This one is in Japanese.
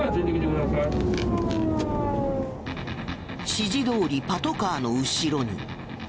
指示どおりパトカーの後ろに。